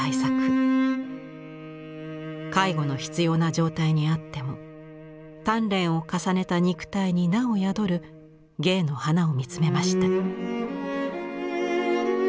介護の必要な状態にあっても鍛錬を重ねた肉体になお宿る「芸の花」を見つめました。